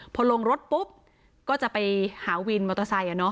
พอลงรถปุ๊บก็จะไปหาวินมอเตอร์ไซค์